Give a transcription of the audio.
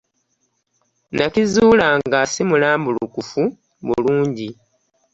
Nakizuula nga si mulambulukufu bulungi.